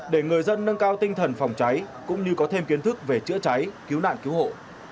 để người dân nâng cao tinh thần phòng cháy cũng như có thêm kiến thức về chữa cháy cứu nạn cứu hộ